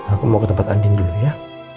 aku mau ke tempat andin dulu ya